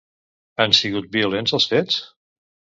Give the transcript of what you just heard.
Han sigut violents els fets?